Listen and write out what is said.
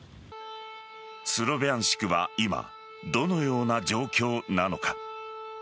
スロビャンシクは今どのような状況なのか。